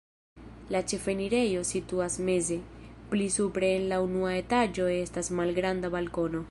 La ĉefenirejo situas meze, pli supre en la unua etaĝo estas malgranda balkono.